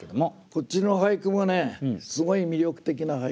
こっちの俳句もすごい魅力的な俳句です。